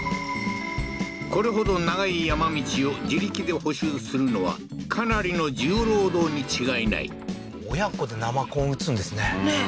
これほど長い山道を自力で補修するのはかなりの重労働に違いない親子で生コン打つんですねねえ